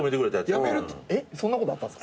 辞めるってそんなことあったんすか！？